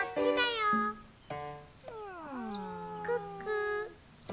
クックー。